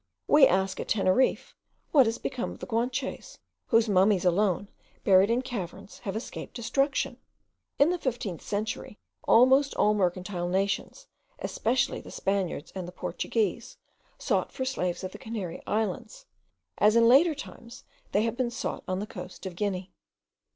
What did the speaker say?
We ask at Teneriffe what is become of the Guanches, whose mummies alone, buried in caverns, have escaped destruction? In the fifteenth century almost all mercantile nations, especially the Spaniards and the Portuguese, sought for slaves at the Canary Islands, as in later times they have been sought on the coast of Guinea.